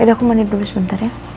ya udah aku mandi dulu sebentar ya